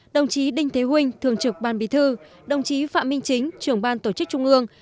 đồng chí đinh thế huynh thường trực ban bí thư đồng chí phạm minh chính trưởng ban tổ chức trung ương